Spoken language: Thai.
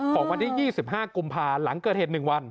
ของวันที่๒๕กุมภาหลังเกิดเหตุ๑วัน